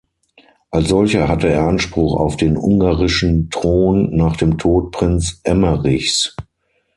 Als solcher hatte er Anspruch auf den ungarischen Thron nach dem Tod Prinz Emmerichs.